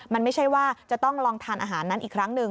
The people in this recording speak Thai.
มันไม่ใช่ว่าจะต้องลองทานอาหารนั้นอีกครั้งหนึ่ง